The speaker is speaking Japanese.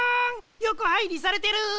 よこはいりされてる！